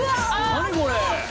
何これ。